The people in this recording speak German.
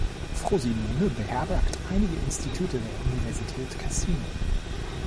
Frosinone beherbergt einige Institute der Universität Cassino.